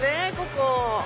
ここ。